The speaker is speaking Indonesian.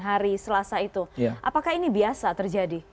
hari selasa itu apakah ini biasa terjadi